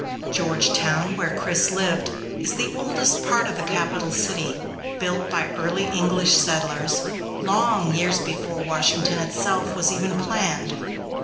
Georgetown, where Chris lived, is the oldest part of the capital city, built by early English settlers long years before Washington itself was even planned.